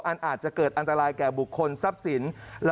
อาจจะเกิดอันตรายแก่บุคคลทรัพย์สิน